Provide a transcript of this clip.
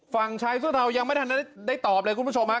ฝั่งชายเสื้อเรายังไม่ทันได้ตอบเลยคุณผู้ชมฮะ